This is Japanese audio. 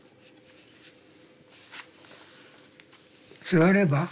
座れば？